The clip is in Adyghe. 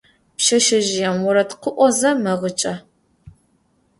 Pşseşsezjıêm vored khı'oze megıç'e.